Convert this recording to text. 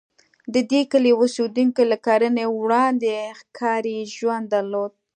د دې کلي اوسېدونکي له کرنې وړاندې ښکاري ژوند درلود.